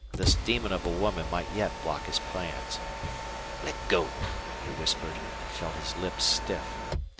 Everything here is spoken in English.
This demon of a woman might yet block his plan. "Let go!" he whispered, and felt his lips stiff.